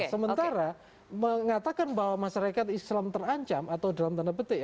sementara mengatakan bahwa masyarakat islam terancam atau dalam tanda petik